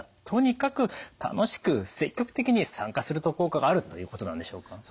とにかく楽しく積極的に参加すると効果があるということなんでしょうか？